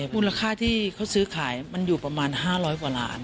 มูลค่าที่เขาซื้อขายมันอยู่ประมาณ๕๐๐กว่าล้าน